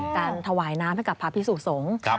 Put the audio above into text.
ถวายน้ำให้กับพระพิสุสงฆ์